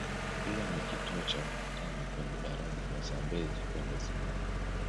Pia ni kituo cha mpakani kwenye daraja la Zambezi kwenda Zimbabwe.